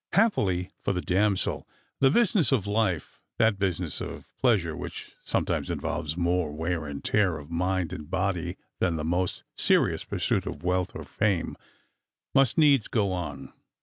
Happily for the damsel, the business of life, that business of pleasure which sometimes involves more wear and tear of mind and body than the most serious pursuit of wealth or fame, must needs go on.